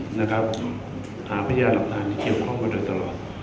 หาพัญญาตำราธานเกี่ยวข้องไปตลอด